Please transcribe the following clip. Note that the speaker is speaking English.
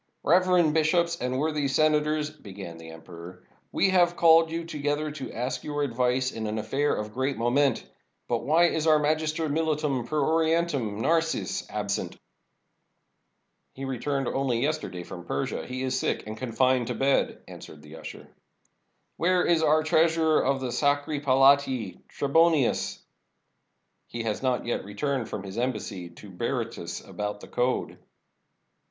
"Reverend bishops and worthy senators," began the emperor, "we have called you together to ask your advice in an affair of great moment. But why is our Magister Militum per Orientum, Narses, absent?" "He returned only yesterday from Persia — he is sick and confined to bed," answered the usher. " Where is our treasurer of the Sacri Palatii, Trebonius? " "He has not yet returned from his embassy to Bery tus about the code."